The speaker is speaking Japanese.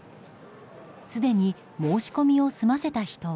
すでに申し込みを済ませた人は。